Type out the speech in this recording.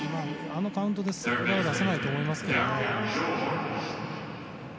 あのカウントでスライダーは出さないと思いますけどね。